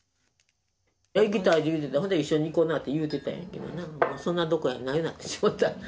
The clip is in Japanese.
行きたいって言うてた、ほんで一緒に行こなって言うてたんやけどな、そんなことやなくなってしまった。